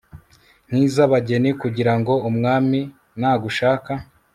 nk'iz'abageni kugira ngo umwami nagushaka